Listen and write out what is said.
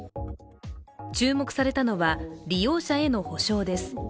注目されたのは、利用者への補償です。